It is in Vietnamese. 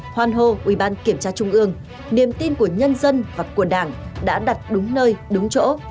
hoan hô ủy ban kiểm tra trung ương niềm tin của nhân dân và của đảng đã đặt đúng nơi đúng chỗ